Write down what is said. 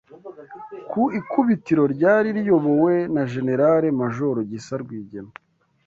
ku ikubitiro ryari riyobowe na Jenerali Majoro Gisa Rwigema